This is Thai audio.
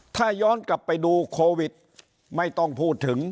ถ้าย้อนกลับไปดูโควิดไม่ต้องพูดถึง